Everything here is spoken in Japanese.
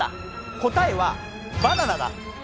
答えは「バナナ」だ。